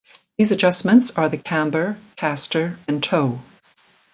These adjustments are the camber, caster and toe.